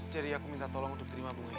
jadi aku minta tolong untuk terima bunga ini